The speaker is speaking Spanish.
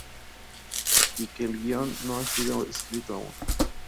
Y que el guion no ha sido escrito aún.